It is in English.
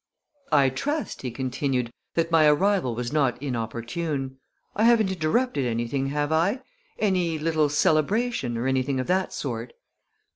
"I trust," he continued, "that my arrival was not inopportune. I haven't interrupted anything, have I any little celebration, or anything of that sort?"